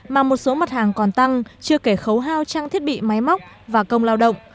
mà một số mặt hàng còn tăng chưa kể khấu hao trang thiết bị máy móc và công lao động